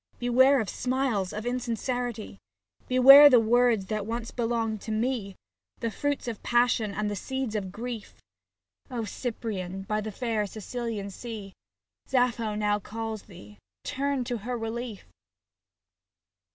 Beware of smiles, of insincerity, Beware the words that once belonged to me, 63 SAPPHO TO PHAON The fruits of passion and the seeds of grief ; O Cyprian by the fair Sicilian sea, Sappho now calls thee, turn to her relief!